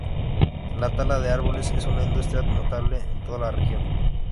La tala de árboles es una industria notable en toda la región.